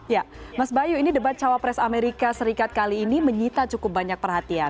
ya mas bayu ini debat cawapres amerika serikat kali ini menyita cukup banyak perhatian